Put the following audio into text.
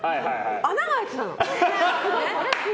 穴が開いてたの。